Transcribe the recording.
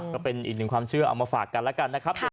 ก็เป็นอีกหนึ่งความเชื่อเอามาฝากกันแล้วกันนะครับ